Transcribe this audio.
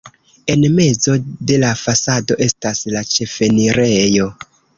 En mezo de la fasado estas la ĉefenirejo.